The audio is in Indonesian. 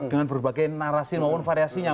dengan berbagai narasi maupun variasinya